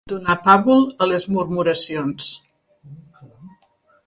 Donar pàbul a les murmuracions.